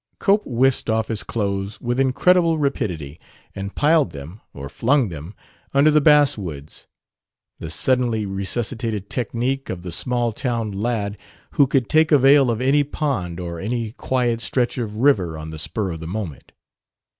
Cope whisked off his clothes with incredible rapidity and piled them or flung them under the basswoods: the suddenly resuscitated technique of the small town lad who could take avail of any pond or any quiet stretch of river on the spur of the moment.